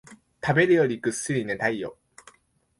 食べるよりぐっすり寝たいよ